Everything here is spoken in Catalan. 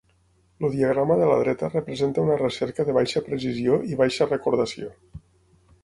El diagrama de la dreta representa una recerca de baixa precisió i baixa recordació.